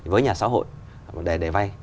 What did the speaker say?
với nhà xã hội để vay